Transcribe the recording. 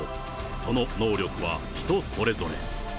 その能力は人それぞれ。